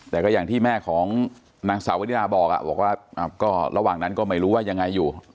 แต่ก็อย่างที่แม่ของนางสาวนิดาบอกว่าก็ระหว่างนั้นก็ไม่รู้ว่ายังไงอยู่